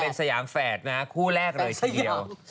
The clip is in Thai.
เป็นสยามแฝดนะฮะคู่แรกเลยทีเดียว